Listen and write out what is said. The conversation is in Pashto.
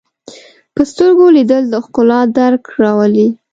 په سترګو لیدل د ښکلا درک راولي